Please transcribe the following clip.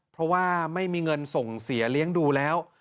เพราะว่าไม่มีเงินส่งเสียเลี้ยงดูแล้ว